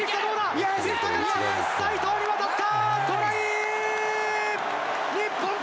齋藤に渡った！